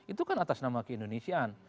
itu kan atas nama keindonesiaan